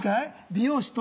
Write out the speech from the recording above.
美容師と。